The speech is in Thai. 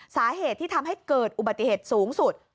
สาเหตุที่ทำให้เกิดอุบัติเหตุสูงสุด